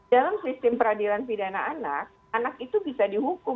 dalam sistem peradilan pidana anak anak itu bisa dihukum